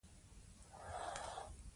ذهني غبرګونونه زموږ خوندیتوب تضمینوي.